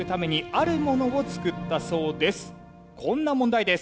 こんな問題です。